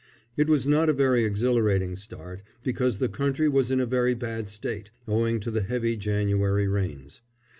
It was not a very exhilarating start, because the country was in a very bad state, owing to the heavy January rains.